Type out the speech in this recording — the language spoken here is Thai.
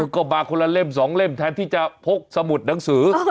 ก็มาคนละเล่ม๒เล่มแทนที่จะพกสมุดหนังสือ